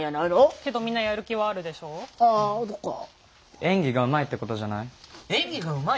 演技がうまいってことじゃない？